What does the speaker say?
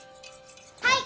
はい！